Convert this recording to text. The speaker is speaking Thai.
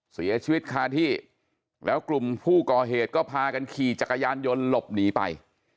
เสียชีวิตคาที่แล้วกลุ่มผู้ก่อเหตุก็พากันขี่จักรยานยนต์หลบหนีไป